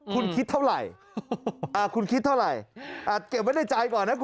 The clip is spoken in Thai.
คุณคิดเท่าไหร่คุณคิดเท่าไหร่อาจเก็บไว้ในใจก่อนนะคุณ